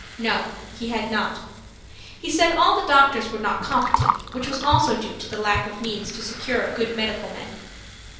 No, he had not. He said all the doctors were not competent, which was also due to the lack of means to secure good medical men.